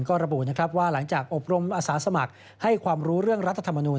ก็ระบุนะครับว่าหลังจากอบรมอาสาสมัครให้ความรู้เรื่องรัฐธรรมนูล